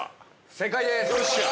◆正解です。